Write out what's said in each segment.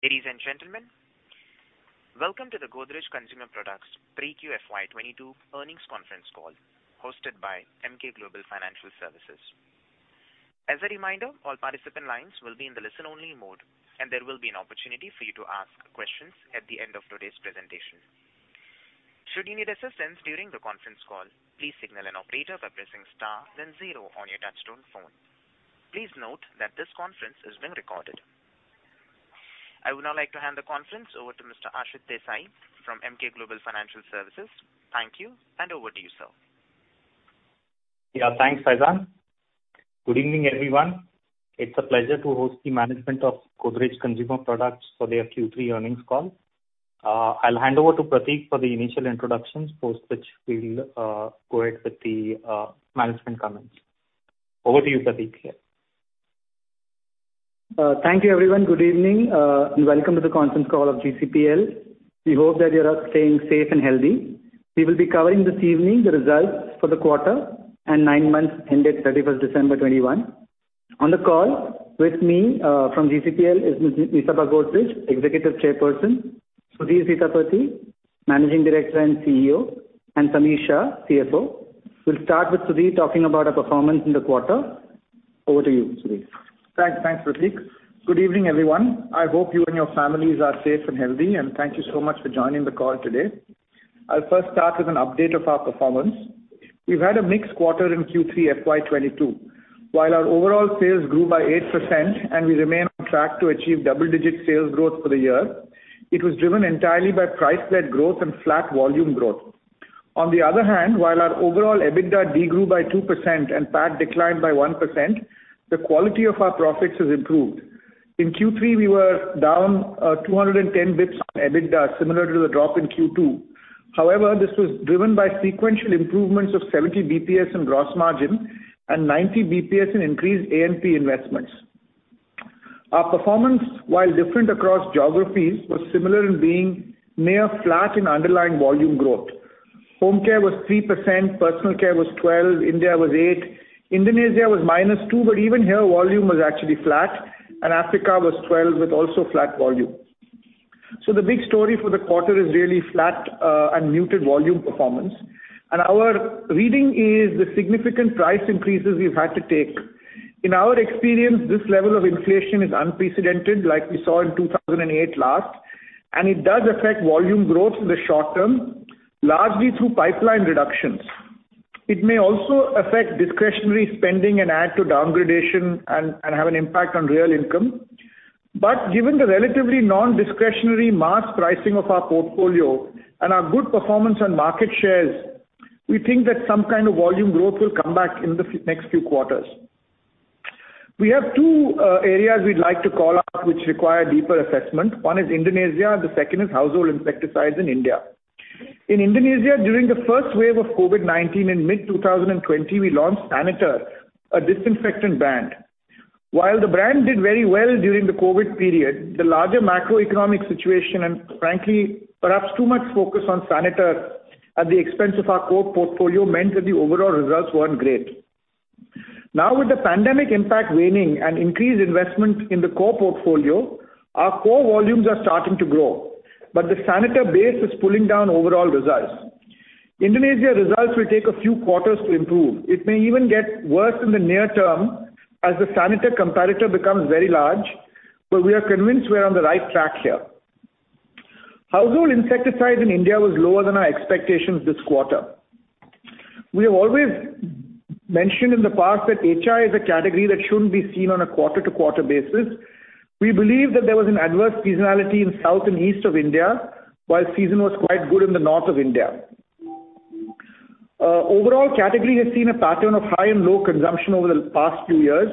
Ladies and gentlemen, welcome to the Godrej Consumer Products 3Q FY 2022 earnings conference call hosted by Emkay Global Financial Services. As a reminder, all participant lines will be in the listen-only mode, and there will be an opportunity for you to ask questions at the end of today's presentation. Should you need assistance during the conference call, please signal an operator by pressing star then zero on your touchtone phone. Please note that this conference is being recorded. I would now like to hand the conference over to Mr. Ashit Desai from Emkay Global Financial Services. Thank you, and over to you, sir Yeah, thanks, Faizan. Good evening, everyone. It's a pleasure to host the management of Godrej Consumer Products for their Q3 earnings call. I'll hand over to Pratik for the initial introductions, post which we'll go ahead with the management comments. Over to you, Pratik. Thank you, everyone. Good evening, and welcome to the conference call of GCPL. We hope that you're all staying safe and healthy. We will be covering this evening the results for the quarter and nine months ended 31st December 2021. On the call with me, from GCPL is Ms. Nisaba Godrej, Executive Chairperson, Sudhir Sitapati, Managing Director and CEO, and Sameer Shah, CFO. We'll start with Sudhir talking about our performance in the quarter. Over to you, Sudhir. Thanks. Thanks, Pratik. Good evening, everyone. I hope you and your families are safe and healthy, and thank you so much for joining the call today. I'll first start with an update of our performance. We've had a mixed quarter in Q3 FY 2022. While our overall sales grew by 8% and we remain on track to achieve double-digit sales growth for the year, it was driven entirely by price-led growth and flat volume growth. On the other hand, while our overall EBITDA de-grew by 2% and PAT declined by 1%, the quality of our profits has improved. In Q3, we were down 210 basis points on EBITDA, similar to the drop in Q2. However, this was driven by sequential improvements of 70 basis points in gross margin and 90 basis points in increased A&P investments. Our performance, while different across geographies, was similar in being near flat in underlying volume growth. Home care was 3%, personal care was 12%, India was 8%, Indonesia was -2%, but even here volume was actually flat, and Africa was 12% with also flat volume. The big story for the quarter is really flat and muted volume performance. Our reading is the significant price increases we've had to take. In our experience, this level of inflation is unprecedented, like we saw in 2008 last, and it does affect volume growth in the short term, largely through pipeline reductions. It may also affect discretionary spending, and add to downgrading, and have an impact on real income. Given the relatively non-discretionary mass pricing of our portfolio and our good performance on market shares, we think that some kind of volume growth will come back in the next few quarters. We have two areas we'd like to call out which require deeper assessment. One is Indonesia, and the second Household Insecticides in India. In Indonesia, during the first wave of COVID-19 in mid-2020, we launched Saniter, a disinfectant brand. While the brand did very well during the COVID period, the larger macroeconomic situation and frankly, perhaps too much focus on Saniter at the expense of our core portfolio meant that the overall results weren't great. Now, with the pandemic impact waning and increased investment in the core portfolio, our core volumes are starting to grow. The Saniter base is pulling down overall results. Indonesia's results will take a few quarters to improve. It may even get worse in the near term as the Saniter comparator becomes very large, but we are convinced we're on the right track Household Insecticides in India was lower than our expectations this quarter. We have always mentioned in the past that HI is a category that shouldn't be seen on a quarter-to-quarter basis. We believe that there was an adverse seasonality in South and East of India, while the season was quite good in the North of India. Overall category has seen a pattern of high and low consumption over the past few years.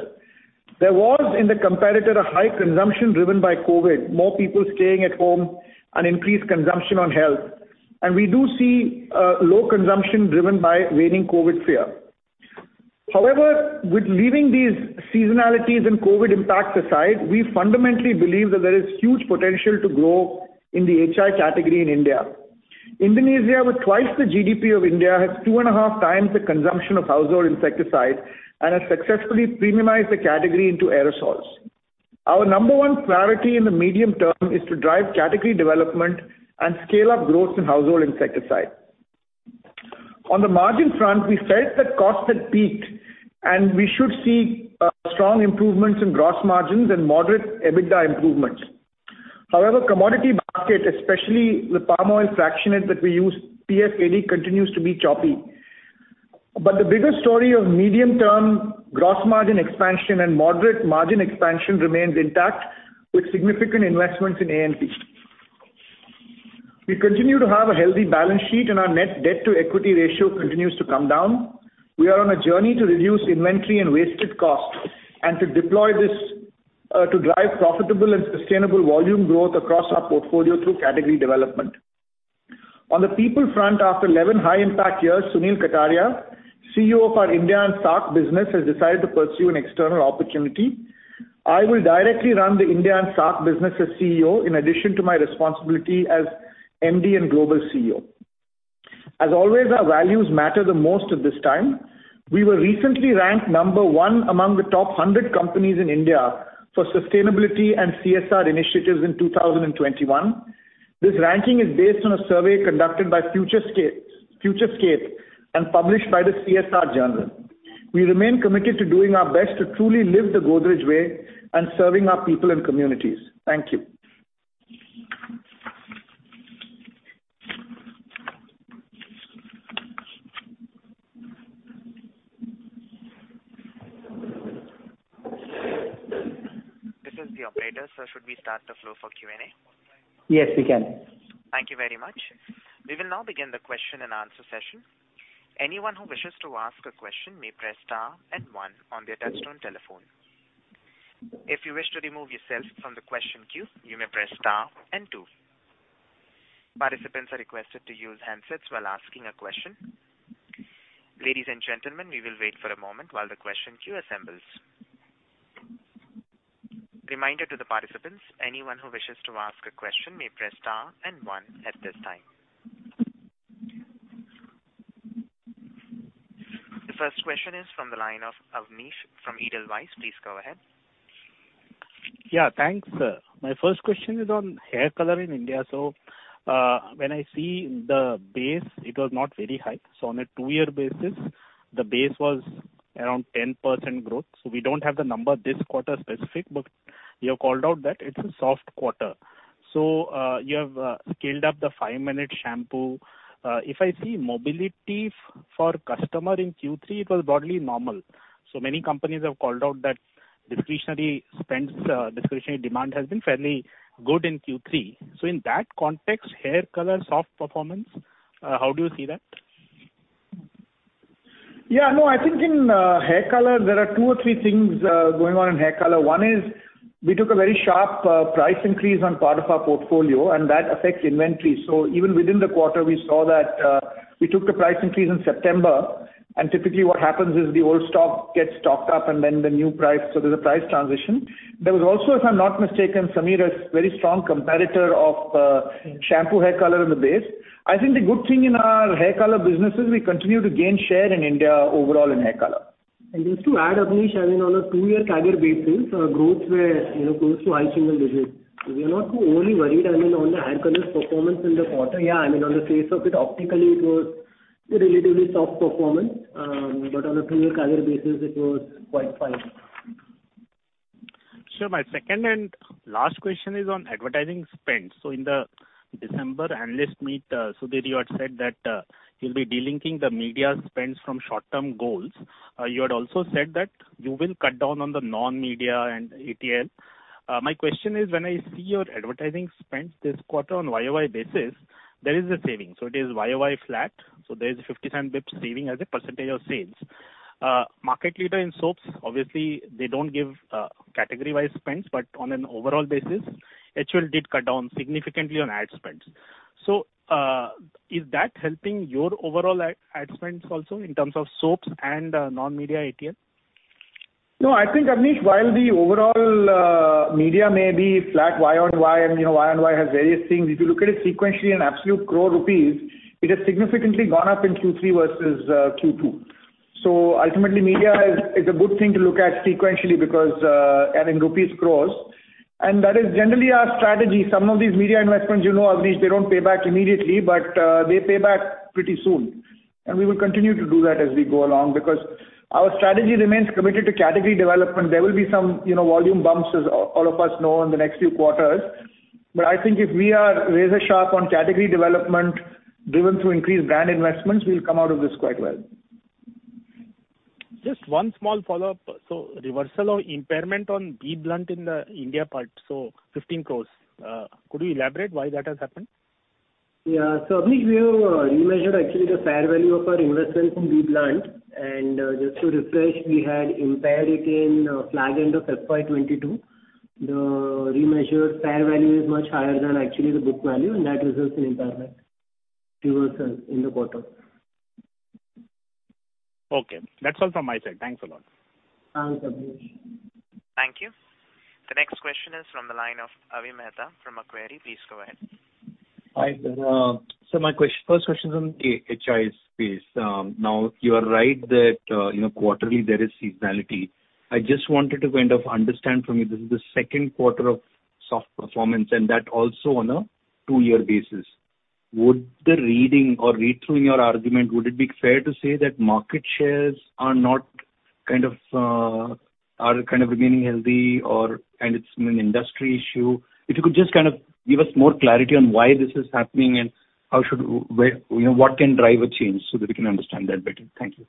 There was, in the comparator, a high consumption driven by COVID, more people staying at home, and increased consumption on health. We do see low consumption driven by waning COVID fear. However, leaving these seasonality and COVID impacts aside, we fundamentally believe that there is huge potential to grow in the HI category in India. Indonesia, with twice the GDP of India, has 2.5x the consumption Household Insecticides and has successfully premiumized the category into aerosols. Our number one priority in the medium term is to drive category development and scale up growth Household Insecticides. on the margin front, we felt that costs had peaked, and we should see strong improvements in gross margins and moderate EBITDA improvements. However, the commodity market, especially the palm oil fractionate that we use, PFAD, continues to be choppy. The bigger story of medium-term gross margin expansion and moderate margin expansion remains intact with significant investments in A&P. We continue to have a healthy balance sheet, and our net debt-to-equity ratio continues to come down. We are on a journey to reduce inventory and wasted costs and to deploy this to drive profitable and sustainable volume growth across our portfolio through category development. On the people front, after 11 high-impact years, Sunil Kataria, CEO of our India and SAARC business, has decided to pursue an external opportunity. I will directly run the India and SAARC business as CEO in addition to my responsibilities as MD and Global CEO. As always, our values matter the most at this time. We were recently ranked number one among the top 100 companies in India for sustainability and CSR initiatives in 2021. This ranking is based on a survey conducted by Futurescape and published by The CSR Journal. We remain committed to doing our best to truly live the Godrej way and serving our people and communities. Thank you. This is the operator. Sir, should we start the floor for Q&A? Yes, we can. Thank you very much. We will now begin the question-and-answer session. Anyone who wishes to ask a question may press star and one on their touch-tone telephone. If you wish to remove yourself from the question queue, you may press star and two. Participants are requested to use handsets while asking a question. Ladies and gentlemen, we will wait for a moment while the question queue assembles. Reminder to the participants, anyone who wishes to ask a question may press star and one at this time. The first question is from the line of Abneesh from Edelweiss. Please go ahead. Yeah, thanks, sir. My first question is on hair color in India. When I see the base, it was not very high. On a two-year basis, the base was around 10% growth. We don't have the number this quarter specific, but you have called out that it's a soft quarter. You have scaled up the five-minute shampoo. If I see mobility for customers in Q3, it was broadly normal. Many companies have called out that discretionary spends, discretionary demand has been fairly good in Q3. In that context, hair color soft performance, how do you see that? Yeah, no, I think in hair color there are two or three things going on in hair color. One is we took a very sharp price increase on part of our portfolio, and that affects inventory. So even within the quarter, we saw that we took the price increase in September, and typically what happens is the old stock gets stocked up and then the new price. So there's a price transition. There was also, if I'm not mistaken, Sameer, a very strong competitor of shampoo hair color in the base. I think the good thing in our hair color business is we continue to gain share in India overall in hair color. Just to add, Abneesh, I mean, on a two-year CAGR basis, growth were, you know, close to high single-digits. We are not too overly worried, I mean, on the hair color performance in the quarter. Yeah, I mean, on the face of it, optically it was a relatively soft performance, but on a two-year CAGR basis it was quite fine. Sure. My second and last question is on advertising spend. In the December analyst meet, Sudhir, you had said that you'll be de-linking the media spends from short-term goals. You had also said that you will cut down on the non-media and ATL. My question is, when I see your advertising spend this quarter on a YOY basis, there is a saving, so it is YOY flat, so there is a 57 basis points saving as a percentage of sales. Market leader in soaps, obviously, they don't give category-wide spends, but on an overall basis, HUL did cut down significantly on ad spends. Is that helping your overall ad spends also in terms of soaps and non-media ATL? No, I think, Abneesh, while the overall media may be flat YOY, and, you know, YOY has various things. If you look at it sequentially in absolute crore rupees, it has significantly gone up in Q3 versus Q2. Ultimately media is a good thing to look at sequentially because, I mean, rupees crores, and that is generally our strategy. Some of these media investments, you know, Abneesh, they don't pay back immediately, but they pay back pretty soon. We will continue to do that as we go along because our strategy remains committed to category development. There will be some, you know, volume bumps, as all of us know, in the next few quarters. I think if we are razor sharp on category development driven through increased brand investments, we'll come out of this quite well. Just one small follow-up. Reversal of impairment on BBLUNT in the India part, so 15 crore. Could you elaborate why that has happened? Abneesh, we have remeasured actually the fair value of our investment from BBLUNT. Just to refresh, we had impaired it in fag end of FY 2022. The remeasured fair value is much higher than actually the book value, and that results in impairment reversal in the quarter. Okay. That's all from my side. Thanks a lot. Thanks, Abneesh. Thank you. The next question is from the line of Avi Mehta from Macquarie. Please go ahead. Hi. So my first question is on the HI space. Now, you are right that, you know, quarterly there is seasonality. I just wanted to kind of understand from you, this is the second quarter of soft performance, and that also on a two-year basis. Would the reading or read through in your argument, would it be fair to say that market shares are not kind of are kind of remaining healthy, or and it's an industry issue? If you could just kind of give us more clarity on why this is happening and where, you know, what can drive a change so that we can understand that better. Thank you.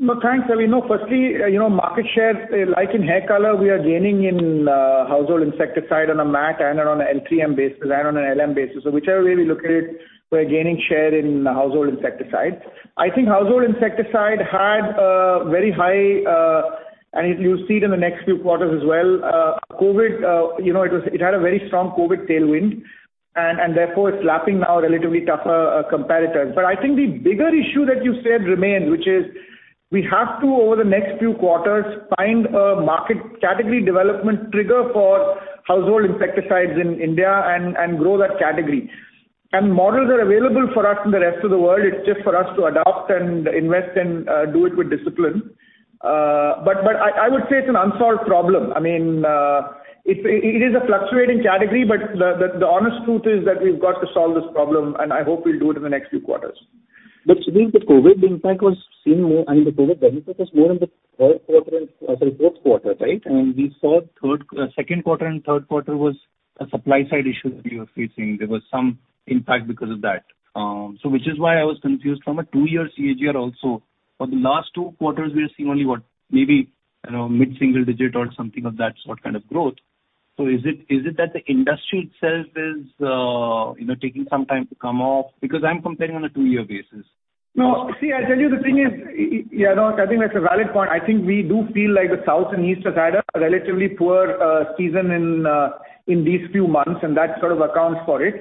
No, thanks, Avi. No, firstly, you know, market share, like in hair color, we are gaining in Household Insecticide on a MAT and on an LTM basis and on an LM basis. So whichever way we look at it, we're gaining share in Household Insecticide. I think Household Insecticide had a very high, and you'll see it in the next few quarters as well. COVID, you know, it had a very strong COVID tailwind, and therefore it's lapping now relatively tougher comparators. But I think the bigger issue that you said remains, which is we have to, over the next few quarters, find a market category development trigger Household Insecticides in India and grow that category. Models are available for us in the rest of the world. It's just for us to adopt and invest and do it with discipline. I would say it's an unsolved problem. I mean, it is a fluctuating category, but the honest truth is that we've got to solve this problem, and I hope we'll do it in the next few quarters. Sudhir, the COVID impact was seen more and the COVID benefit was more in the third quarter and, sorry, fourth quarter, right? We saw second quarter and third quarter was a supply-side issue that we were facing. There was some impact because of that. Which is why I was confused from a two-year CAGR also. For the last two quarters, we are seeing only what, maybe, you know, mid-single-digit or something of that sort kind of growth. Is it, is it that the industry itself is, you know, taking some time to come off? Because I'm comparing on a two-year basis. No. See, I tell you the thing is, yeah, no, I think that's a valid point. I think we do feel like the South and East has had a relatively poor season in these few months, and that sort of accounts for it.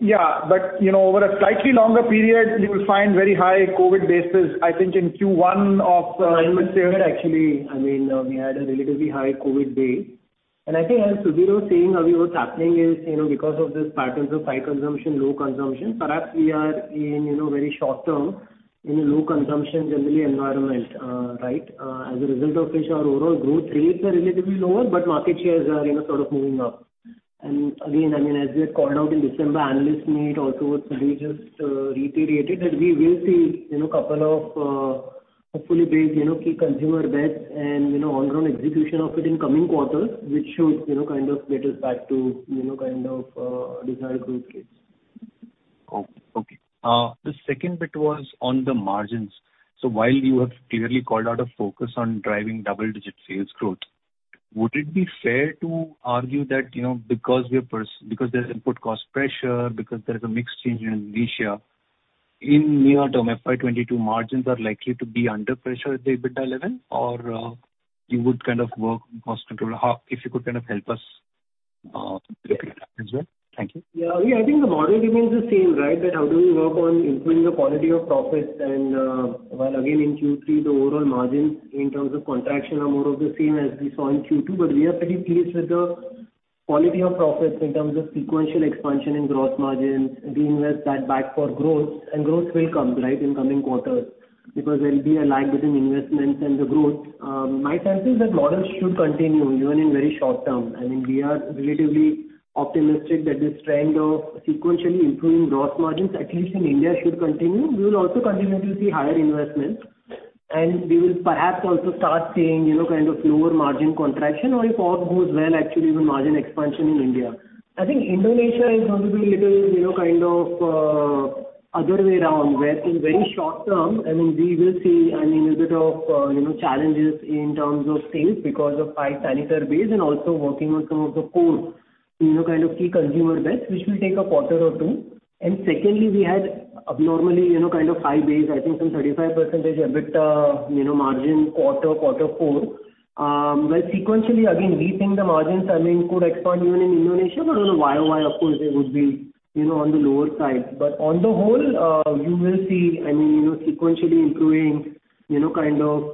Yeah, but you know, over a slightly longer period, you will find very high COVID basis. I think in Q1 of I would say that actually, I mean, we had a relatively high COVID base. I think as Sudhir was saying, Avi, what's happening is, you know, because of these patterns of high consumption, low consumption, perhaps we are in, you know, very short term in a low consumption generally environment, right? As a result of which our overall growth rates are relatively lower, but market shares are, you know, sort of moving up. Again, I mean, as we had called out in December analyst meet also, we just reiterated that we will see, you know, couple of hopefully base, you know, key consumer bets and, you know, ongoing execution of it in coming quarters, which should, you know, kind of get us back to, you know, kind of desired growth rates. The second bit was on the margins. While you have clearly called out a focus on driving double-digit sales growth, would it be fair to argue that, you know, because there's input cost pressure, because there is a mix change in Indonesia, in near term, FY 2022 margins are likely to be under pressure with the EBITDA level? Or you would kind of work on cost control. If you could kind of help us repeat that as well. Thank you. Yeah. We, I think the model remains the same, right? That's how we work on improving the quality of profits and, well, again, in Q3, the overall margins in terms of contraction are more of the same as we saw in Q2. We are pretty pleased with the quality of profits in terms of sequential expansion in gross margins, reinvest that back for growth. Growth will come, right, in coming quarters because there'll be a lag between investments and the growth. My sense is that models should continue even in very short term. I mean, we are relatively optimistic that this trend of sequentially improving gross margins, at least in India, should continue. We will also continue to see higher investments, and we will perhaps also start seeing, you know, kind of lower margin contraction, or if all goes well, actually even margin expansion in India. I think Indonesia is going to be a little, you know, kind of other way around, where in very short-term, I mean, we will see a bit of you know, challenges in terms of sales because of high sanitizer base and also working on some of the core, you know, kind of key consumer bets, which will take a quarter or two. Secondly, we had abnormally, you know, kind of high base, I think some 35% EBITDA, you know, margin quarter four. Well, sequentially again, we think the margins, I mean, could expand even in Indonesia, but on a YOY, of course it would be, you know, on the lower side. On the whole, you will see, I mean, you know, sequentially improving, you know, kind of,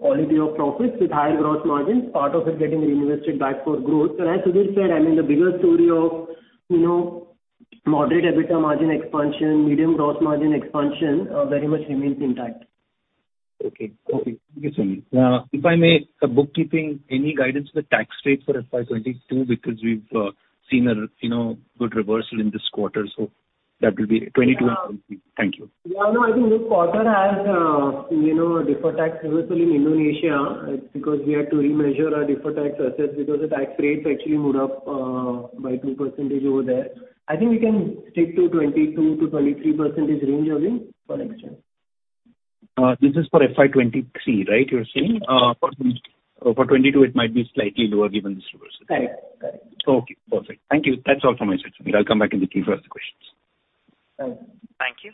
quality of profits with higher gross margins, part of it getting reinvested back for growth. As Sudhir said, I mean, the bigger story of, you know, moderate EBITDA margin expansion, medium gross margin expansion, very much remains intact. Okay. Thank you, Sameer. If I may, bookkeeping, any guidance on the tax rate for FY 2022, because we've seen a, you know, good reversal in this quarter, so that will be 2022 and 2023. Thank you. Yeah, no, I think this quarter has a deferred tax reversal in Indonesia, because we had to remeasure our deferred tax assets because the tax rates actually moved up by 2% over there. I think we can stick to 22%-23% range only for next year. This is for FY 2023, right, you're saying? For 2022, it might be slightly lower given this reversal. Correct. Correct. Okay, perfect. Thank you. That's all from my side, Sudhir. I'll come back in the queue for other questions. Thank you. Thank you.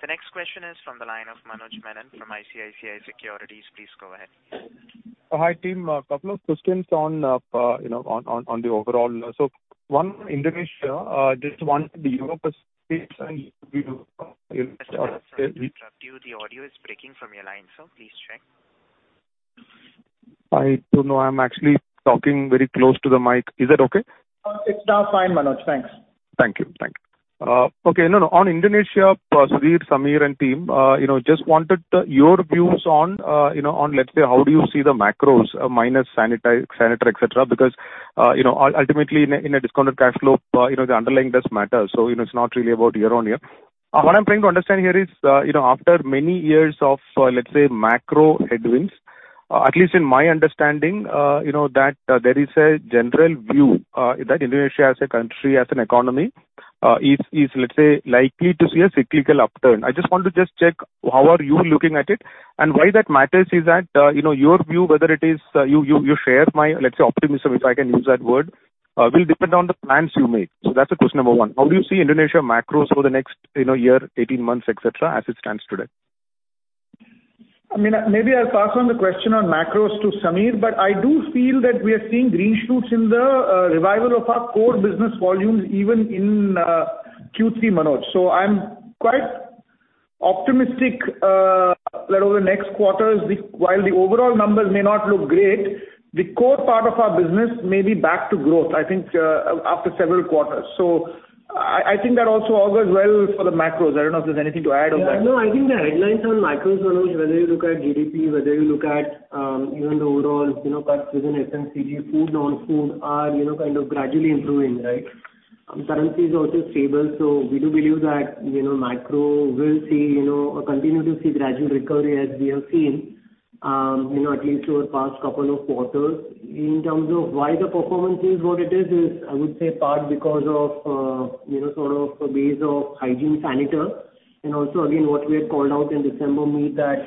The next question is from the line of Manoj Menon from ICICI Securities. Please go ahead. Hi, team. A couple of questions on, you know, the overall. One on Indonesia, just wanted to know your perspective on- Sorry to interrupt you. The audio is breaking from your line, sir. Please check. I don't know. I'm actually talking very close to the mic. Is that okay? It's fine, Manoj. Thanks. Thank you. Okay. No. On Indonesia, Sudhir, Sameer, and team, you know, just wanted your views on, you know, on let's say, how do you see the macros, minus sanitizer, et cetera? Because, you know, ultimately in a discounted cash flow, you know, the underlying does matter. It's not really about year-on-year. What I'm trying to understand here is, you know, after many years of, let's say, macro headwinds, at least in my understanding, you know, that there is a general view, that Indonesia as a country, as an economy, is let's say likely to see a cyclical upturn. I just want to check how are you looking at it? Why that matters is that, you know, your view, whether it is, you share my, let's say, optimism, if I can use that word, will depend on the plans you make. So that's the question number one. How do you see Indonesia macros over the next, you know, year, 18 months, et cetera, as it stands today? I mean, maybe I'll pass on the question on macros to Sameer, but I do feel that we are seeing green shoots in the revival of our core business volumes even in Q3, Manoj. I'm quite optimistic that over the next quarters, while the overall numbers may not look great, the core part of our business may be back to growth, I think, after several quarters. I think that also augurs well for the macros. I don't know if there's anything to add on that. Yeah. No, I think the headlines on macros, Manoj, whether you look at GDP, whether you look at, even the overall, you know, cuts within FMCG, food, non-food are, you know, kind of gradually improving, right? Currency is also stable, so we do believe that, you know, macro will see, you know, or continue to see gradual recovery as we have seen, you know, at least over the past couple of quarters. In terms of why the performance is what it is, I would say part because of, you know, sort of a base of hygiene sanitizer. And also again, what we had called out in December means that,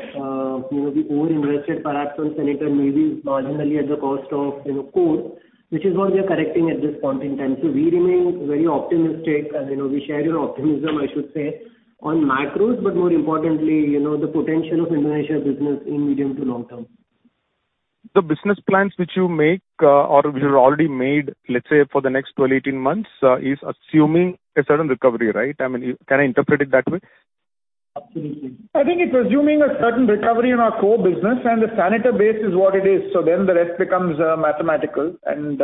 you know, the over-investment perhaps on sanitizer may be marginally at the cost of, you know, core, which is what we are correcting at this point in time. We remain very optimistic and, you know, we share your optimism, I should say, on macros, but more importantly, you know, the potential of Indonesia's business in medium to long-term. The business plans which you make, or which you've already made, let's say, for the next 12-18 months, is assuming a certain recovery, right? I mean, can I interpret it that way? Absolutely. I think it's assuming a certain recovery in our core business, and the sanitizer base is what it is. The rest becomes mathematical, and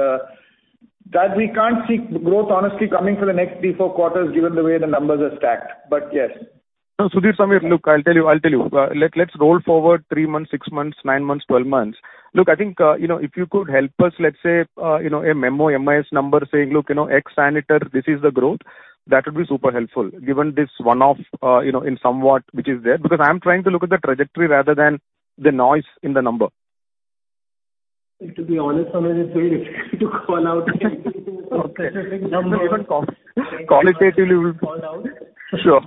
that we can't see growth honestly coming for the next three, four quarters, given the way the numbers are stacked. Yes. No, Sudhir, Sameer, look, I'll tell you. Let's roll forward three months, six months, nine months, 12 months. Look, I think you know, if you could help us, let's say you know, a memo, MIS number saying, look you know, ex-sanitizer this is the growth, that would be super helpful given this one-off you know, in some way which is there. Because I'm trying to look at the trajectory rather than the noise in the number. To be honest, Manoj, it's very difficult to call out anything from specific numbers. Okay. Even qualitatively will- Call out. Sure.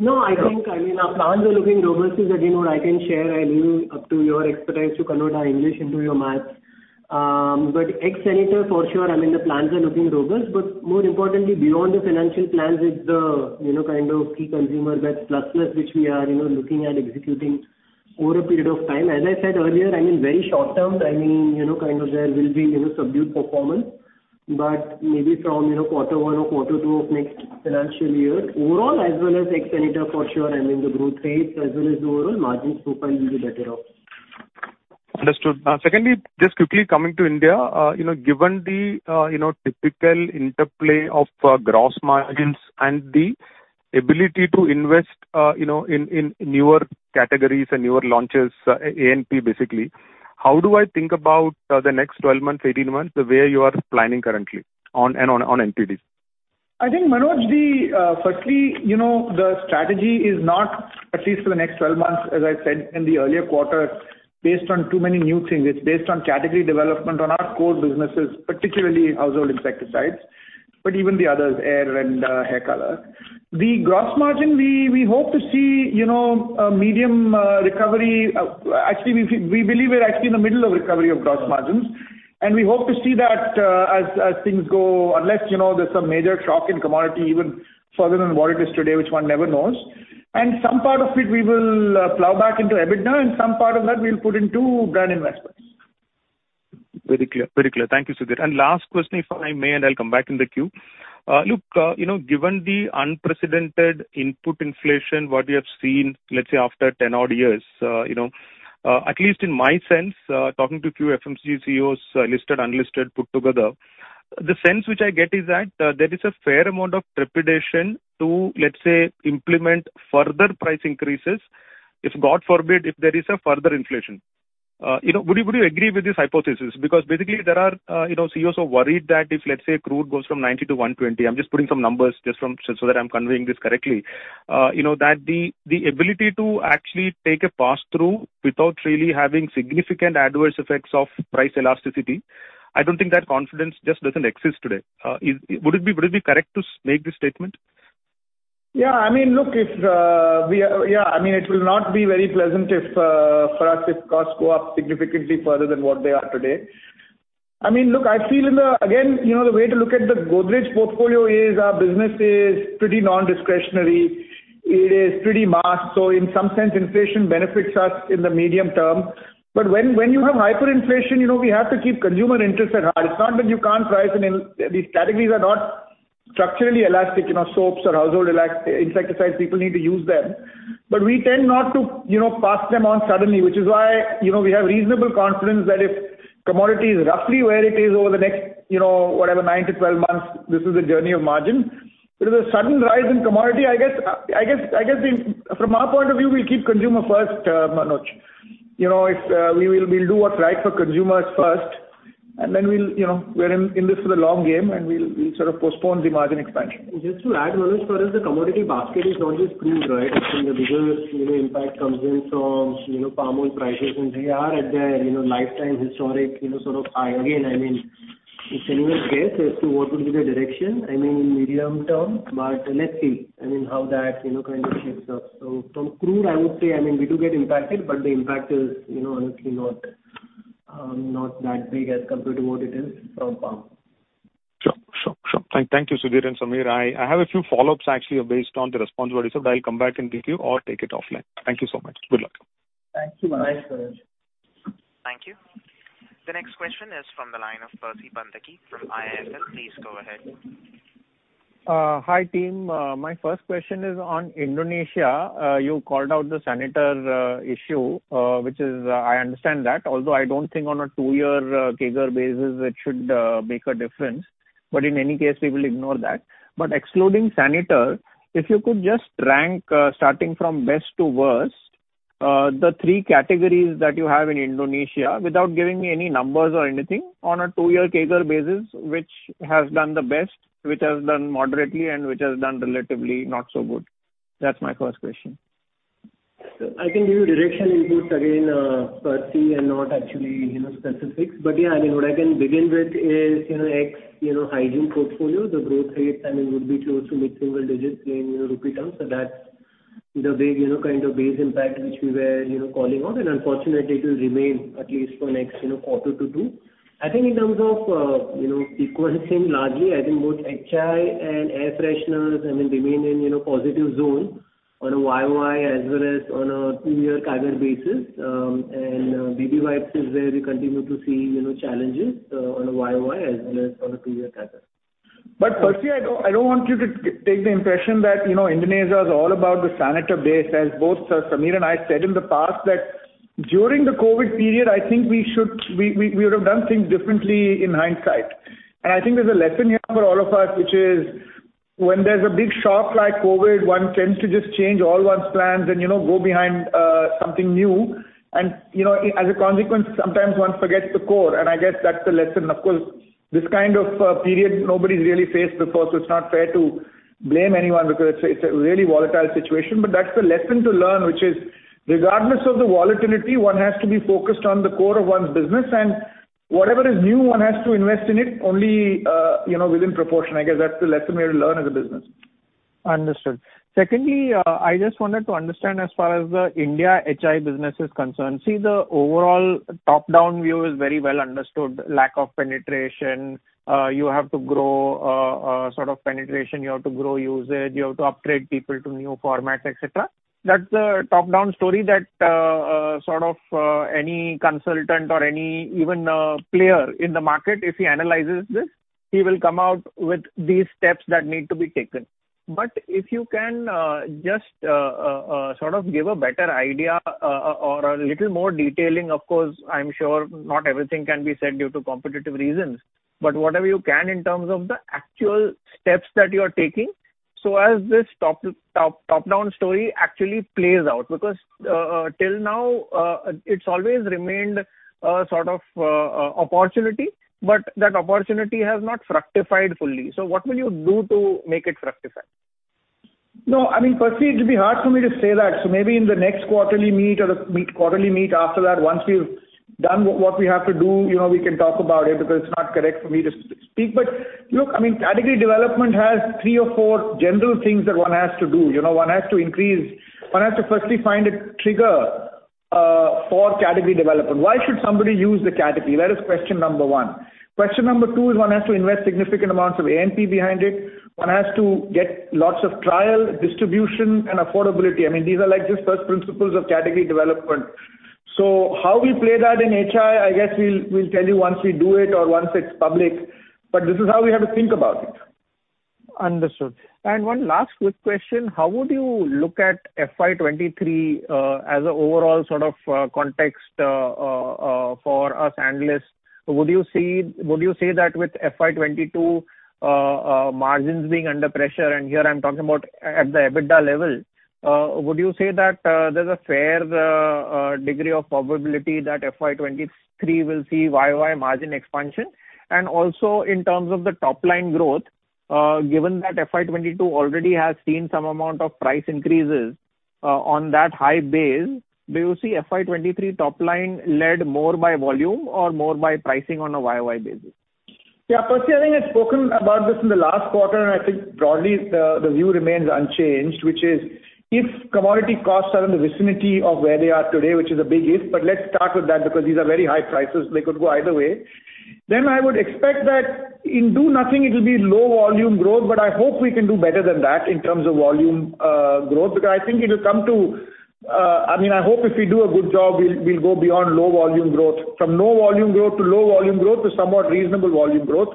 No, I think, I mean, our plans are looking robust. Again, what I can share, I leave up to your expertise to convert our English into your math. Ex-sanitizer for sure, I mean, the plans are looking robust. More importantly, beyond the financial plans is the, you know, kind of key consumer bets plus plus which we are, you know, looking at executing over a period of time. As I said earlier, I mean, very short term, I mean, you know, kind of there will be, you know, subdued performance. Maybe from, you know, quarter one or quarter two of next financial year, overall as well as ex-sanitizer for sure, I mean, the growth rates as well as the overall margin profile will be better off. Understood. Secondly, just quickly coming to India, you know, given the typical interplay of gross margins and the ability to invest, you know, in newer categories and newer launches, A&P basically, how do I think about the next 12 months, 18 months, the way you are planning currently on NPDs? I think, Manoj, firstly, you know, the strategy is not at least for the next 12 months, as I said in the earlier quarter, based on too many new things. It's based on category development on our core businesses, Household Insecticides, even the others, air and hair color. The gross margin, we hope to see, you know, a medium recovery. Actually, we believe we're actually in the middle of recovery of gross margins, and we hope to see that, as things go, unless, you know, there's some major shock in commodity even further than what it is today, which one never knows. Some part of it we will plow back into EBITDA, and some part of that we'll put into brand investments. Very clear. Thank you, Sudhir. Last question, if I may, and I'll come back in the queue. Look, you know, given the unprecedented input inflation what we have seen, let's say, after 10-odd years, you know. At least in my sense, talking to a few FMCG CEOs, listed, unlisted, put together, the sense which I get is that there is a fair amount of trepidation to, let's say, implement further price increases if, God forbid, if there is a further inflation. You know, would you agree with this hypothesis? Because basically there are, you know, CEOs who are worried that if, let's say, crude goes from $90-$120, I'm just putting some numbers so that I'm conveying this correctly. You know, that the ability to actually take a pass-through without really having significant adverse effects of price elasticity, I don't think that confidence just doesn't exist today. Would it be correct to make this statement? I mean, it will not be very pleasant for us if costs go up significantly further than what they are today. I mean, look, again, you know, the way to look at the Godrej portfolio is our business is pretty non-discretionary. It is pretty marked. So in some sense, inflation benefits us in the medium term. But when you have hyperinflation, you know, we have to keep consumer interest at heart. It's not that you can't price. I mean, these categories are not structurally elastic, you know, soaps Household Insecticides, people need to use them. We tend not to, you know, pass them on suddenly, which is why, you know, we have reasonable confidence that if the commodity is roughly where it is over the next, you know, whatever, nine to 12 months, this is a journey of margin. If there's a sudden rise in commodity, I guess from our point of view, we'll keep consumer first, Manoj. You know, if we will, we'll do what's right for consumers first, and then we'll, you know, we're in this for the long game, and we'll sort of postpone the margin expansion. Just to add, Manoj, whereas the commodity basket is not just crude, right? I think the bigger, you know, impact comes in from, you know, palm oil prices, and they are at their, you know, lifetime historic, you know, sort of high. Again, I mean, it's anyone's guess as to what will be the direction, I mean, medium term, but let's see, I mean, how that, you know, kind of shapes up. So from crude, I would say I mean, we do get impacted, but the impact is, you know, honestly not that big as compared to what it is from palm. Sure. Thank you, Sudhir and Sameer. I have a few follow-ups, actually based on the response what you said. I'll come back and meet you or take it offline. Thank you so much. Good luck. Thank you. Thanks, Manoj. Thank you. The next question is from the line of Percy Panthaki from IIFL. Please go ahead. Hi, team. My first question is on Indonesia. You called out the Saniter issue, which is, I understand that. Although I don't think on a two-year CAGR basis it should make a difference. In any case, we will ignore that. Excluding Saniter, if you could just rank, starting from best to worst, the three categories that you have in Indonesia, without giving me any numbers or anything on a two-year CAGR basis, which has done the best, which has done moderately, and which has done relatively not so good? That's my first question. I can give you directional input again, Percy, and not actually, you know, specifics. Yeah, I mean, what I can begin with is, you know, hygiene portfolio, the growth rates, I mean, would be close to mid-single-digits in, you know, rupee terms. That's the big, you know, kind of base impact which we were, you know, calling out. Unfortunately, it will remain at least for next, you know, quarter to two. I think in terms of, you know, sequencing largely, I think both HI and air fresheners, I mean, remain in, you know, positive zone on a YOY as well as on a two-year CAGR basis. Baby wipes is where we continue to see, you know, challenges on a YOY as well as on a two-year CAGR. Percy, I don't want you to take the impression that, you know, Indonesia is all about the Saniter base. As both Sameer and I said in the past that during the COVID period, I think we would have done things differently in hindsight. I think there's a lesson here for all of us, which is when there's a big shock like COVID, one tends to just change all one's plans and, you know, go behind something new. You know, as a consequence, sometimes one forgets the core, and I guess that's the lesson. Of course, this kind of period nobody's really faced before, so it's not fair to blame anyone because it's a really volatile situation. That's the lesson to learn, which is, regardless of the volatility, one has to be focused on the core of one's business. Whatever is new, one has to invest in it only, you know, within proportion. I guess that's the lesson we have learned as a business. Understood. Secondly, I just wanted to understand, as far as the India HI business is concerned. See, the overall top-down view is very well understood. Lack of penetration, you have to grow penetration, you have to grow usage, you have to upgrade people to new formats, et cetera. That's the top-down story that sort of any consultant or any even player in the market, if he analyzes this, he will come out with these steps that need to be taken. But if you can just sort of give a better idea or a little more detailing. Of course, I'm sure not everything can be said due to competitive reasons. But whatever you can in terms of the actual steps that you are taking, so as this top-down story actually plays out. Because till now it's always remained a sort of opportunity, but that opportunity has not fructified fully. What will you do to make it fructify? No, I mean, Percy, it'd be hard for me to say that. Maybe in the next quarterly meet or the meet, quarterly meet after that, once we've done what we have to do, you know, we can talk about it because it's not correct for me to speak. Look, I mean, category development has three or four general things that one has to do. You know, one has to first find a trigger for category development. Why should somebody use the category? That is question number one. Question number two is one has to invest significant amounts of A&P behind it. One has to get lots of trial, distribution, and affordability. I mean, these are like just first principles of category development. How we play that in HI, I guess we'll tell you once we do it or once it's public, but this is how we have to think about it. Understood. One last quick question. How would you look at FY 2023 as an overall sort of context for us analysts? Would you say that with FY 2022 margins being under pressure, and here I'm talking about at the EBITDA level, would you say that there's a fair degree of probability that FY 2023 will see YOY margin expansion? Also, in terms of the top-line growth, given that FY 2022 already has seen some amount of price increases on that high base, do you see FY 2023 top-line led more by volume or more by pricing on a YOY basis? Yeah, Percy, I think I've spoken about this in the last quarter, and I think broadly the view remains unchanged, which is if commodity costs are in the vicinity of where they are today, which is a big if, but let's start with that because these are very high prices, they could go either way, then I would expect that in do nothing it'll be low volume growth, but I hope we can do better than that in terms of volume growth. Because I think it'll come to, I mean, I hope if we do a good job, we'll go beyond low volume growth. From low volume growth to somewhat reasonable volume growth.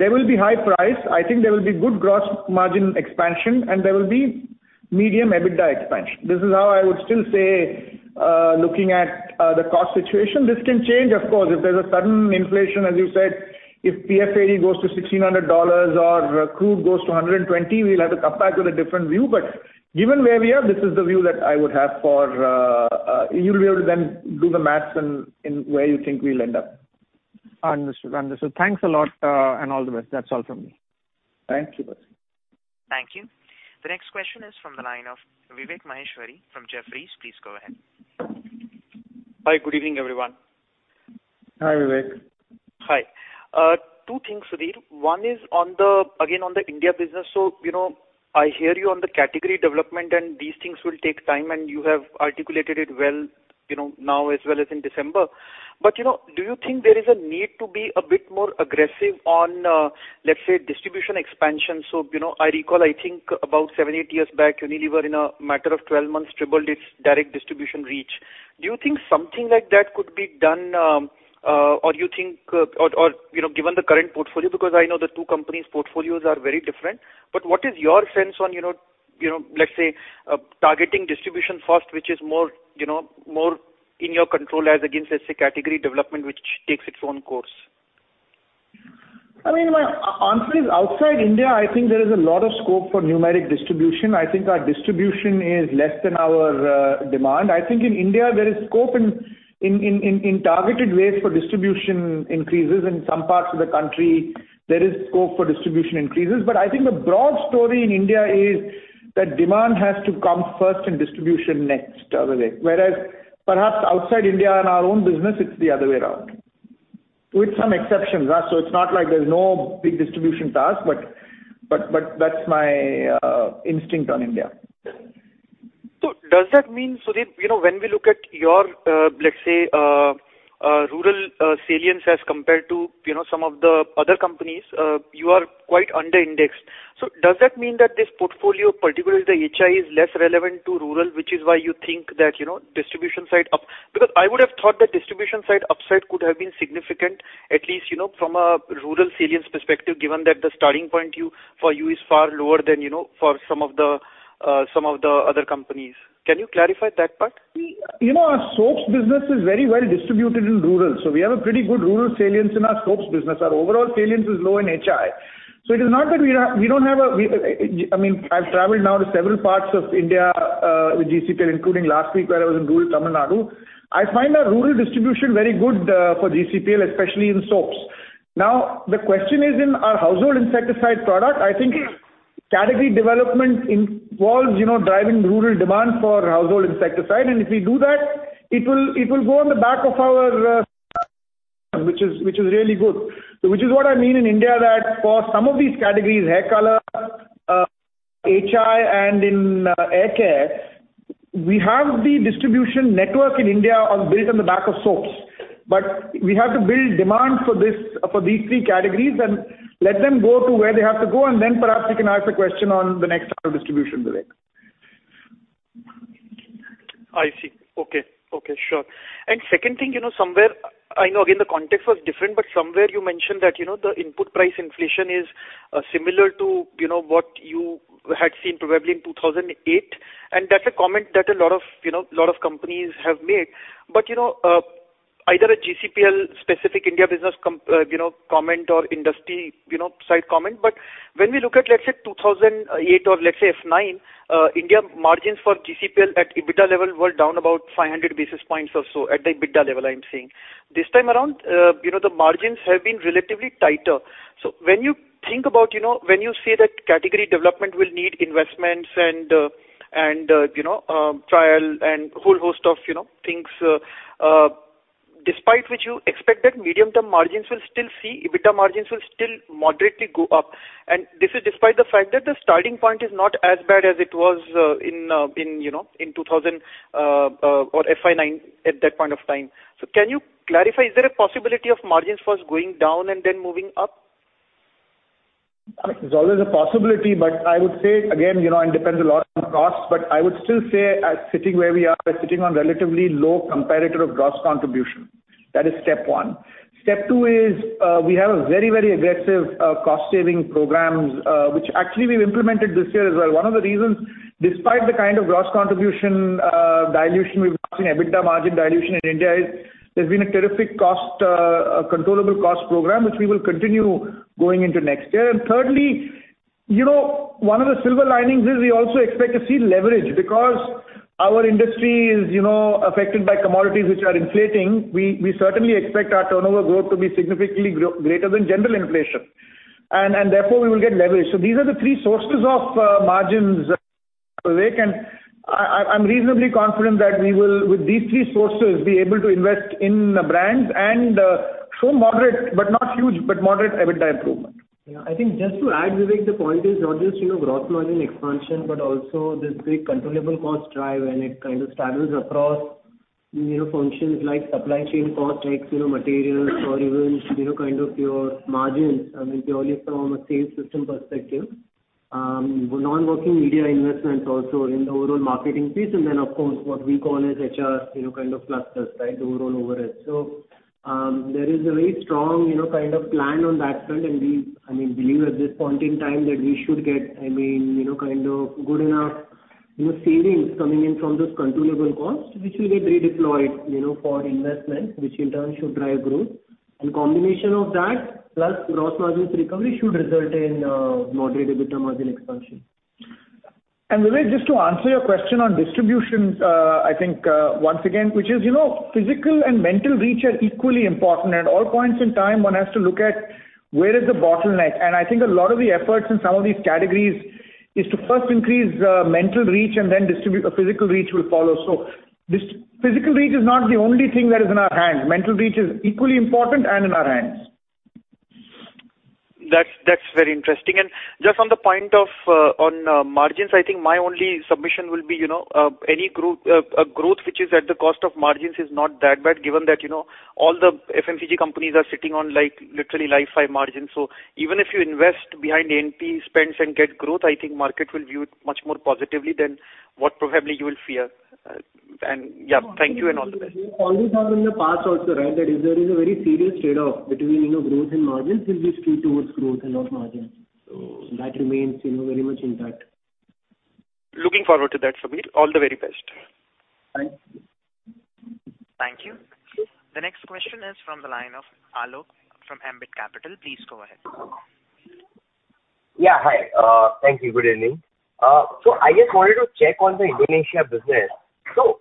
There will be a high price. I think there will be good gross margin expansion, and there will be medium EBITDA expansion. This is how I would still say, looking at the cost situation. This can change, of course. If there's a sudden inflation, as you said, if PFAD goes to $1,600 or crude goes to $120, we'll have to come back with a different view. Given where we are, this is the view that I would have. You'll be able to then do the math in where you think we'll end up. Understood. Thanks a lot, and all the best. That's all from me. Thank you, Percy. Thank you. The next question is from the line of Vivek Maheshwari from Jefferies. Please go ahead. Hi. Good evening, everyone. Hi, Vivek. Hi. Two things, Sudhir. One is on the, again, on the India business. You know, I hear you on the category development, and these things will take time, and you have articulated it well, you know, now as well as in December. You know, do you think there is a need to be a bit more aggressive on, let's say, distribution expansion? You know, I recall, I think about seven, eight years back, Unilever in a matter of 12 months tripled its direct distribution reach. Do you think something like that could be done, or do you think, or, you know, given the current portfolio? Because I know the two companies' portfolios are very different. What is your sense on, you know, let's say, targeting distribution first, which is more, you know, in your control as against, let's say, category development, which takes its own course? I mean, my answer is outside India, I think there is a lot of scope for numeric distribution. I think our distribution is less than our demand. I think in India, there is scope in targeted ways for distribution increases. In some parts of the country, there is scope for distribution increases. I think the broad story in India is that demand has to come first and distribution next, Vivek. Whereas perhaps outside India in our own business, it's the other way around. With some exceptions, so it's not like there's no big distribution task, but that's my instinct on India. Does that mean, Sudhir, you know, when we look at your, let's say, rural salience as compared to, you know, some of the other companies, you are quite under-indexed. Does that mean that this portfolio, particularly the HI, is less relevant to rural, which is why you think that, you know, distribution upside? Because I would have thought that distribution upside could have been significant, at least, you know, from a rural salience perspective, given that the starting point for you is far lower than, you know, for some of the other companies. Can you clarify that part? You know, our soaps business is very well distributed in rural, so we have a pretty good rural salience in our soaps business. Our overall salience is low in HI. It is not that we don't have. I mean, I've traveled now to several parts of India with GCPL, including last week, when I was in rural Tamil Nadu. I find our rural distribution very good for GCPL, especially in soaps. Now the question is in our Household Insecticide product. I think category development involves, you know, driving rural demand for Household Insecticide. If we do that, it will go on the back of our, which is really good. Which is what I mean in India, that for some of these categories, hair color, HI, and in hair care, we have the distribution network in India are built on the back of soaps. We have to build demand for this, for these three categories, and let them go to where they have to go. Then perhaps you can ask a question on the next round of distribution, Vivek. I see. Okay. Okay, sure. Second thing, you know, somewhere I know again, the context was different, but somewhere you mentioned that, you know, the input price inflation is similar to, you know, what you had seen probably in 2008. That's a comment that a lot of, you know, a lot of companies have made. You know, either a GCPL-specific India business comment or industry, you know, side comment. When we look at, let's say, 2008 or let's say 2009, India's margins for GCPL at the EBITDA level were down about 500 basis points or so at the EBITDA level, I'm saying. This time around, you know, the margins have been relatively tighter. When you think about when you say that category development will need investments and trial, and whole host of things, despite which you expect that medium-term EBITDA margins will still moderately go up. This is despite the fact that the starting point is not as bad as it was in 2000 or FY 2019 at that point of time. Can you clarify, is there a possibility of margins first going down and then moving up? I mean, there's always a possibility, but I would say again, you know, it depends a lot on costs. I would still say, as sitting where we are, we're sitting on relatively low comparator of gross contribution. That is step one. Step two is, we have a very, very aggressive, cost-saving programs, which actually we've implemented this year as well. One of the reasons, despite the kind of gross contribution, dilution we've seen EBITDA margin dilution in India is there's been a terrific cost, controllable cost program, which we will continue going into next year. Thirdly, you know, one of the silver linings is we also expect to see leverage because our industry is, you know, affected by commodities, which are inflating. We certainly expect our turnover growth to be significantly greater than general inflation, and therefore, we will get leverage. These are the three sources of margins, Vivek, and I'm reasonably confident that we will, with these three sources, be able to invest in the brands and show moderate but not huge EBITDA improvement. Yeah, I think just to add, Vivek, the point is not just, you know, gross margin expansion, but also this big controllable cost drive. It kind of straddles across, you know, functions like supply chain cost, X, you know, materials, or even, you know, kind of your margins. I mean, purely from a sales system perspective. Non-working media investments also in the overall marketing piece. Of course, what we call as HR, you know, kind of clusters, right? Overall overhead. There is a very strong, you know, kind of plan on that front. We, I mean, believe at this point in time that we should get, I mean, you know, kind of good enough, you know, savings coming in from those controllable costs, which will get redeployed, you know, for investments which in turn should drive growth. A combination of that plus gross margins recovery should result in moderate EBITDA margin expansion. Vivek, just to answer your question on distribution, I think, once again, which is, you know, physical and mental reach are equally important. At all points in time, one has to look at where is the bottleneck. I think a lot of the efforts in some of these categories is to first increase mental reach and then distribute. Physical reach will follow. This physical reach is not the only thing that is in our hands. Mental reach is equally important and in our hands. That's very interesting. Just on the point of margins, I think my only submission will be, you know, a growth which is at the cost of margins is not that bad, given that, you know, all the FMCG companies are sitting on, like, literally like 5% margins. So even if you invest behind A&P spends and get growth, I think the market will view it much more positively than what probably you will fear. Yeah, thank you, and all the best. We always have in the past, also, right? That if there is a very serious trade-off between, you know, growth and margins, we'll be skewed towards growth and not margins. That remains, you know, very much intact. Looking forward to that, Sameer. All the very best. Thanks. Thank you. The next question is from the line of Alok from Ambit Capital. Please go ahead. Yeah, hi. Thank you. Good evening. I just wanted to check on the Indonesia business.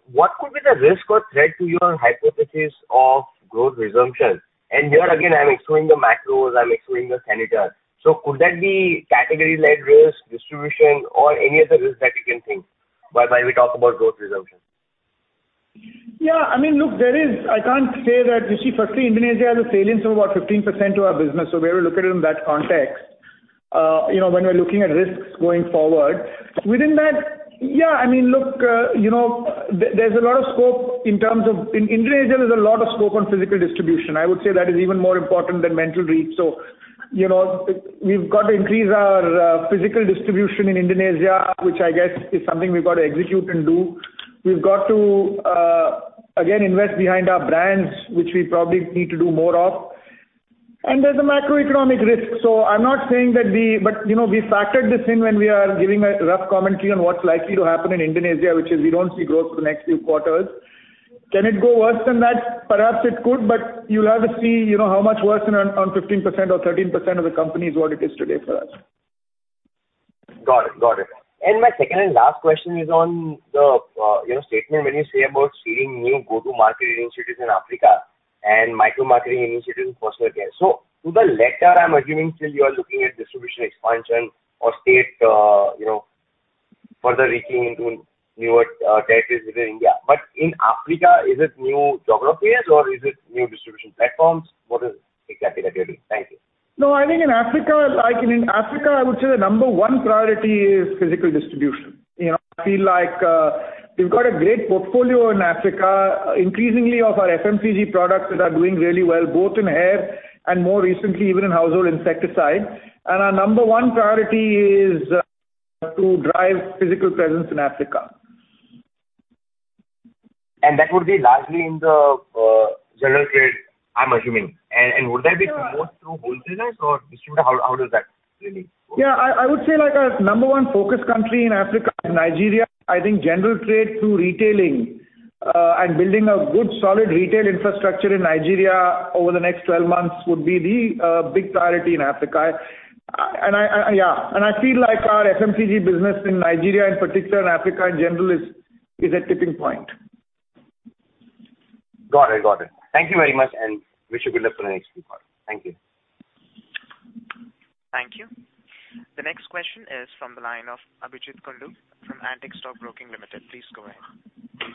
What could be the risk or threat to your hypothesis of growth resumption? Here again, I'm excluding the macros. I'm excluding the Saniter. Could that be category-led risk, distribution, or any other risk that you can think of while we talk about growth resumption? Firstly, Indonesia has a salience of about 15% to our business, so we have to look at it in that context, you know, when we're looking at risks going forward. Within that, there's a lot of scope in terms of in Indonesia. There's a lot of scope on physical distribution. I would say that is even more important than mental reach. You know, we've got to increase our physical distribution in Indonesia, which I guess is something we've got to execute and do. We've got to again invest behind our brands, which we probably need to do more of. There's a macroeconomic risk. I'm not saying that we. You know, we factored this in when we are giving a rough commentary on what's likely to happen in Indonesia, which is we don't see growth for the next few quarters. Can it go worse than that? Perhaps it could, but you'll have to see, you know, how much worse on 15% or 13% of the company is what it is today for us. Got it. My second and last question is on the, you know, statement when you say about seeing new go-to-market initiatives in Africa and micro-marketing initiatives in personal care. To the latter, I'm assuming still you are looking at distribution expansion or states, you know, further reaching into newer territories within India. But in Africa, is it new geographies or is it new distribution platforms? What exactly is that you're doing? Thank you. No, I think in Africa, I would say the number one priority is physical distribution. You know, I feel like, we've got a great portfolio in Africa, increasingly of our FMCG products that are doing really well, both in hair and more recently even in Household Insecticide. Our number one priority is to drive physical presence in Africa. That would be largely in the general trade, I'm assuming. Would that be through wholesalers or distributors? How does that really go? Yeah, I would say like our number one focus country in Africa is Nigeria. I think general trade through retailing, and building a good, solid retail infrastructure in Nigeria over the next 12 months, would be the big priority in Africa. Yeah, I feel like our FMCG business in Nigeria in particular, and Africa in general, is at a tipping point. Got it. Thank you very much, and wish you good luck for the next few quarters. Thank you. Thank you. The next question is from the line of Abhijeet Kundu from Antique Stock Broking Limited. Please go ahead.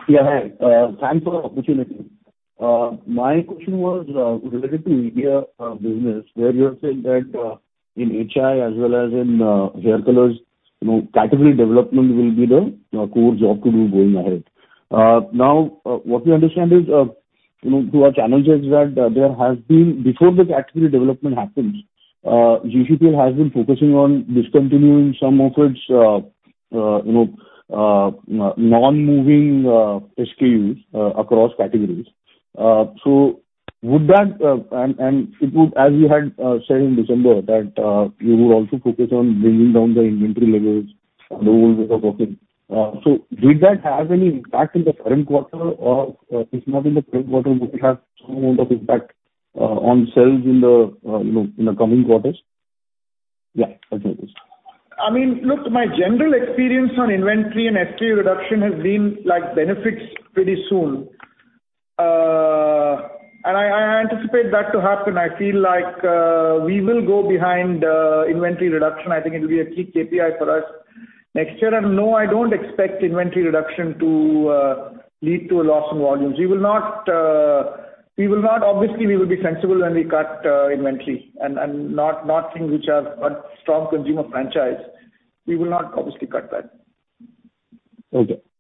Yeah, hi. Thanks for the opportunity. My question was related to India business, where you are saying that in HI as well as in hair colors, you know, category development will be the core job to do going ahead. Now, what we understand is, you know, through our channel checks that there has been, before the category development happens, GCPL has been focusing on discontinuing some of its non-moving SKUs across categories. So would that, and it would, as you had said in December, that you would also focus on bringing down the inventory levels and the whole way of working. So did that have any impact in the current quarter? If not in the current quarter, will it have some amount of impact on sales in the, you know, in the coming quarters? Yeah, that's my question. I mean, look, my general experience on inventory and SKU reduction has been like benefits pretty soon. I anticipate that to happen. I feel like we will go behind inventory reduction. I think it'll be a key KPI for us next year. No, I don't expect inventory reduction to lead to a loss in volumes. Obviously, we will be sensible when we cut inventory and not things which are a strong consumer franchise. We will not obviously cut that.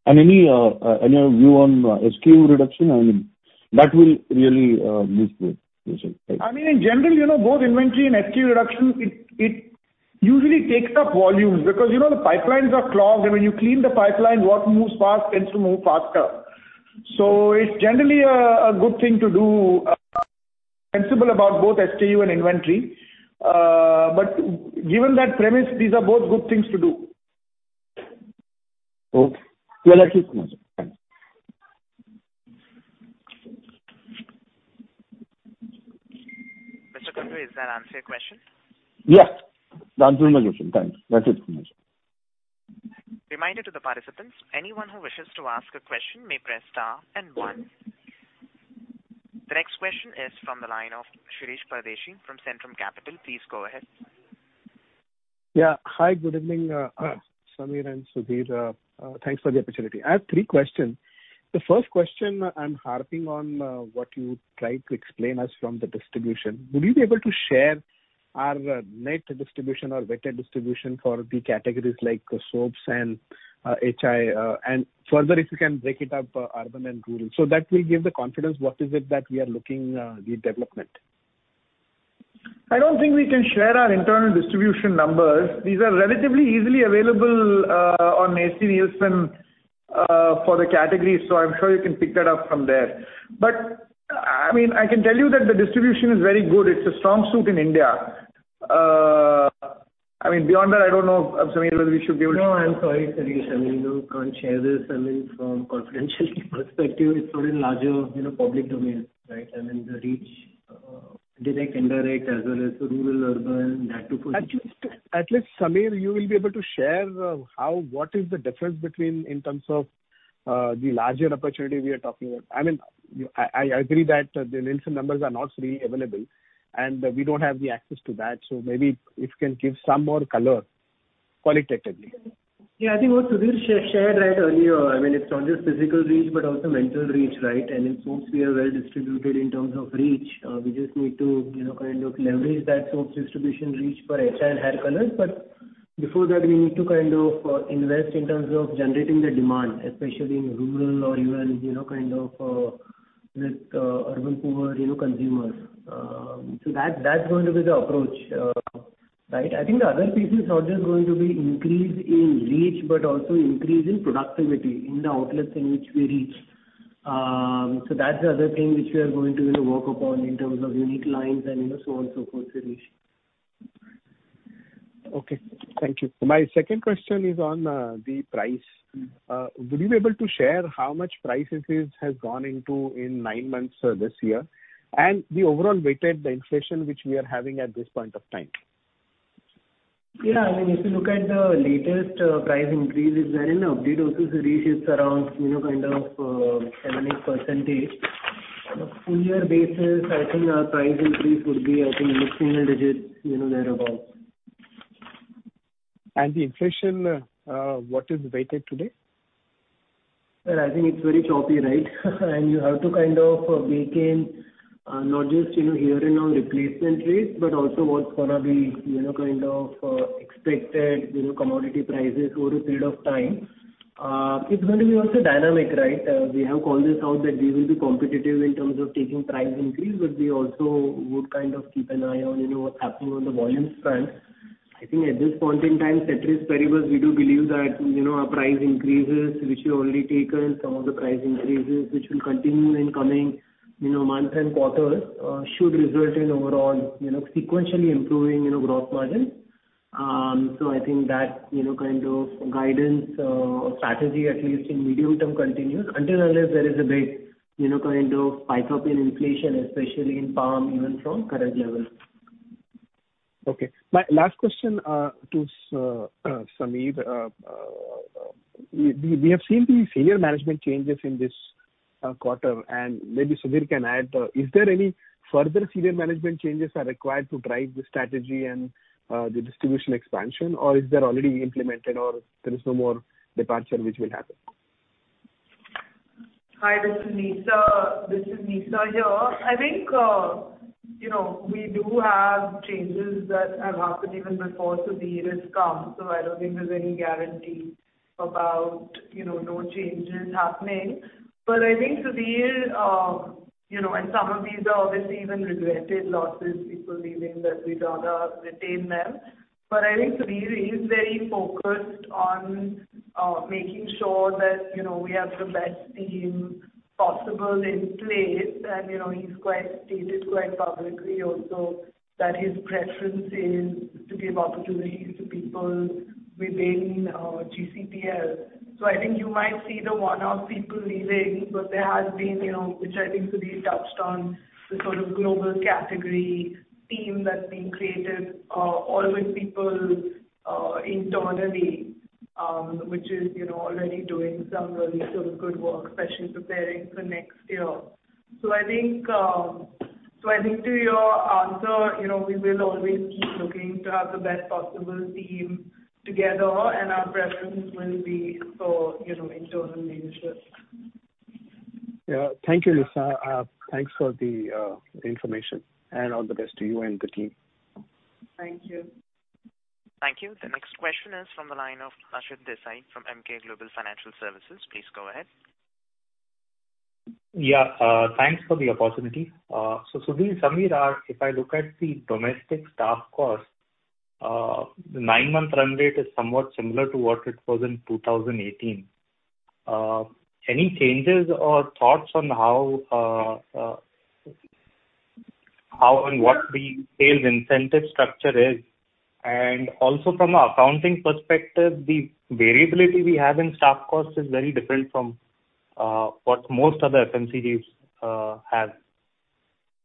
Any view on SKU reduction, and that will really boost the results? Thank you. I mean, in general, you know, both inventory and SKU reduction, it usually takes up volumes because, you know, the pipelines are clogged, and when you clean the pipeline, what moves fast tends to move faster. So it's generally a good thing to do, sensible about both SKU and inventory. Given that premise, these are both good things to do. Okay. We'll achieve that. Thanks. Mr. Kundu, does that answer your question? Yeah. That's been my question. Thanks. That's it from my side. Reminder to the participants, anyone who wishes to ask a question may press star and one. The next question is from the line of Shirish Pardeshi from Centrum Capital. Please go ahead. Yeah. Hi. Good evening, Sameer and Sudhir. Thanks for the opportunity. I have three questions. The first question, I'm harping on what you tried to explain us from the distribution. Would you be able to share our net distribution or weighted distribution for the categories like soaps and HI? And further, if you can break it up, urban and rural. That will give the confidence what is it that we are looking the development. I don't think we can share our internal distribution numbers. These are relatively easily available, on AC Nielsen, for the categories, so I'm sure you can pick that up from there. I mean, I can tell you that the distribution is very good. It's a strong suit in India. I mean, beyond that, I don't know, Sameer, whether we should be able to. No, I'm sorry, Shirish Pardeshi. I mean, we can't share this, I mean, from confidentiality perspective, it's not in larger, you know, public domain, right? I mean, the reach, direct, indirect, as well as rural, urban, that too for- At least, Sameer, you will be able to share how what is the difference between in terms of the larger opportunity we are talking about? I mean, I agree that the Nielsen numbers are not freely available, and we don't have the access to that, so maybe if you can give some more color qualitatively. Yeah, I think what Sudhir shared, right, earlier. I mean, it's not just physical reach, but also mental reach, right? In soaps, we are well distributed in terms of reach. We just need to, you know, kind of leverage that soap distribution reach for HI and hair colors. Before that, we need to kind of invest in terms of generating the demand, especially in rural or even, you know, kind of with urban poor, you know, consumers. That, that's going to be the approach, right? I think the other piece is not just going to be increase in reach, but also increase in productivity in the outlets in which we reach. That's the other thing which we are going to, you know, work upon in terms of unique lines and, you know, so on, so forth, Shirish. Okay. Thank you. My second question is on the price. Mm-hmm. Would you be able to share how much price increase has gone into in nine months, this year, and the overall weighted inflation which we are having at this point of time? Yeah. I mean, if you look at the latest price increase, it's there in the update also, Shirish, it's around, you know, kind of, 7%-8%. On a full-year basis, I think our price increase would be, I think, in the single-digits, you know, thereabout. The inflation, what is it weighted today? Well, I think it's very choppy, right? You have to kind of bake in, not just, you know, year-on-year replacement rates, but also what's gonna be, you know, kind of, expected, you know, commodity prices over a period of time. It's going to be also dynamic, right? We have called this out that we will be competitive in terms of taking price increase, but we also would kind of keep an eye on, you know, what's happening on the volume front. I think at this point in time, ceteris paribus, we do believe that, you know, our price increases which we've already taken, some of the price increases which will continue in coming, you know, months and quarters, should result in overall, you know, sequentially improving, you know, gross margin. I think that, you know, kind of guidance, or strategy, at least in the medium term, continues until and unless there is a big, you know, kind of spike up in inflation, especially in palm, even from current levels. Okay. My last question to Sameer. We have seen these senior management changes in this quarter, and maybe Sudhir can add, is there any further senior management changes required to drive the strategy and the distribution expansion, or is that already implemented, or there is no more departure which will happen? Hi, this is Nisaba. This is Nisaba here. I think, you know, we do have changes that have happened even before Sudhir came, so I don't think there's any guarantee about, you know, no changes happening. But I think Sudhir, you know, and some of these are obviously even regretted losses, people leaving that we'd rather retain them. But I think Sudhir is very focused on making sure that, you know, we have the best team possible in place. You know, he's quite stated quite publicly also that his preference is to give opportunities to people within GCPL. I think you might see the one-off people leaving, but there has been, you know, which I think Sudhir touched on, the sort of global category team that's being created, all with people, internally, which is, you know, already doing some really sort of good work, especially preparing for next year. I think to your answer, you know, we will always keep looking to have the best possible team together, and our preference will be for, you know, internal leadership. Yeah. Thank you, Nisaba. Thanks for the information and all the best to you and the team. Thank you. Thank you. The next question is from the line of Ashit Desai from Emkay Global Financial Services. Please go ahead. Yeah. Thanks for the opportunity. So Sudhir, Sameer, if I look at the domestic staff cost, the nine-month run rate is somewhat similar to what it was in 2018. Any changes or thoughts on how and what the sales incentive structure is? Also from an accounting perspective, the variability we have in staff costs is very different from what most other FMCGs have.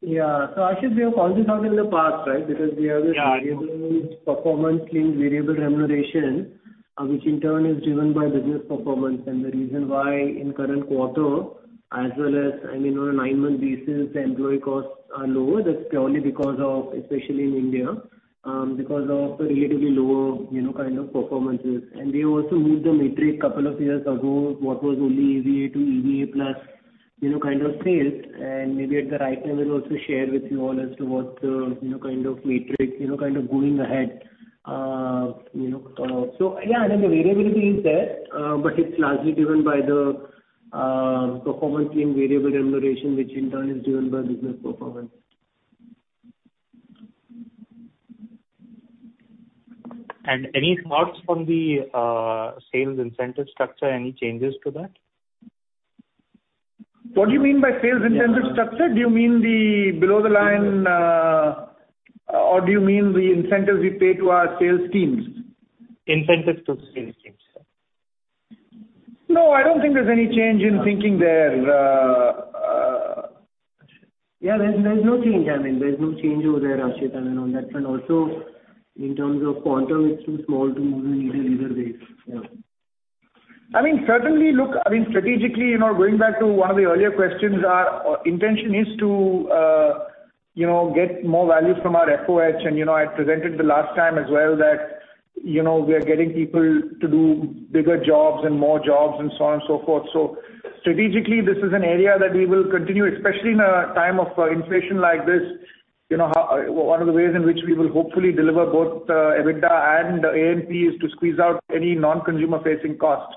Yeah. Ashit, we have called this out in the past, right? Because we have this- Yeah. Variable performance linked variable remuneration, which in turn is driven by business performance. The reason why in the current quarter, as well as, I mean, on a nine-month basis, employee costs are lower, that's purely because of, especially in India, because of the relatively lower, you know, kind of performances. We also moved the metric couple of years ago, what was only EVA to EVA+, you know, kind of sales. Maybe at the right time we'll also share with you all as to what the, you know, kind of metrics, you know, kind of going ahead. You know, so yeah, I mean, the variability is there, but it's largely driven by the performance link variable remuneration, which in turn is driven by business performance. Any thoughts from the sales incentive structure? Any changes to that? What do you mean by sales incentive structure? Do you mean the below the line, or do you mean the incentives we pay to our sales teams? Incentives to sales teams, sir. No, I don't think there's any change in thinking there. Yeah, there's no change. I mean, there's no change over there, Ashit, I mean, on that front. Also, in terms of quantum, it's too small to move the needle either way. Yeah. I mean, certainly look, strategically, you know, going back to one of the earlier questions, our intention is to, you know, get more value from our FOH. You know, I presented the last time as well that, you know, we are getting people to do bigger jobs and more jobs and so on and so forth. Strategically, this is an area that we will continue, especially in a time of inflation like this. You know, one of the ways in which we will hopefully deliver both, EBITDA and A&P is to squeeze out any non-consumer-facing costs,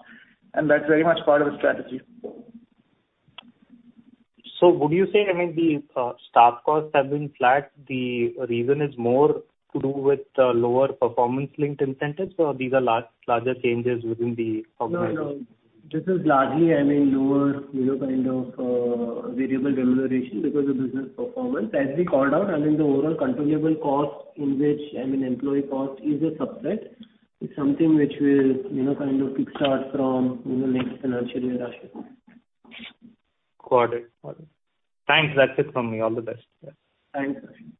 and that's very much part of the strategy. Would you say, I mean, the staff costs have been flat, the reason is more to do with the lower performance-linked incentives, or these are larger changes within the organization? No, no. This is largely, I mean, lower, you know, kind of variable remuneration because of business performance. As we call out, I mean, the overall controllable costs in which, I mean, employee cost is a subset. It's something which will, you know, kind of kickstart from, you know, next financial year, Ashit. Got it. Thanks. That's it from me. All the best. Thanks, Ashit.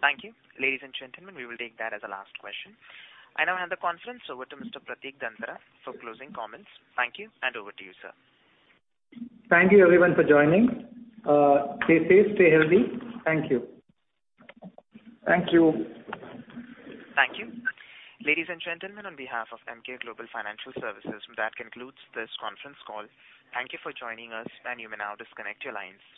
Thank you. Ladies and gentlemen, we will take that as the last question. I now hand the conference over to Mr. Pratik Dantara for closing comments. Thank you, and over to you, sir. Thank you everyone for joining. Stay safe, stay healthy. Thank you. Thank you. Thank you. Ladies and gentlemen, on behalf of Emkay Global Financial Services, that concludes this conference call. Thank you for joining us, and you may now disconnect your lines.